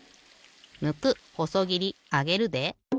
むくほそぎりあげるで。